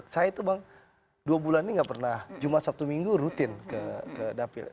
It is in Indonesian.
saya itu bang dua bulan ini nggak pernah jumat sabtu minggu rutin ke dapil